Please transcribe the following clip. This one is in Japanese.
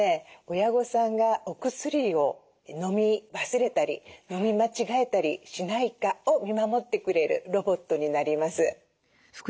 親御さんがお薬をのみ忘れたりのみ間違えたりしないかを見守ってくれるロボットになります。